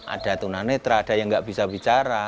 ada tunanetra ada yang nggak bisa bicara